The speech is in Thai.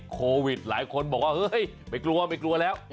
โควิดหลายคนบอกว่าเฮ้ยไม่กลัวไม่กลัวแล้ว